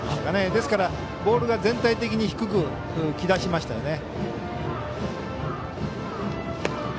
ですから、ボールが全体的に低くきだしましたよね。